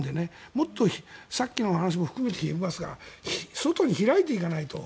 もっとさっきの話も含めて言いますが外に開いていかないと。